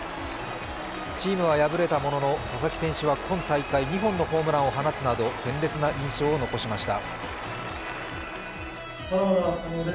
チームは敗れたものの、佐々木選手は今大会２本のホームランを放つなど鮮烈な印象を残しました。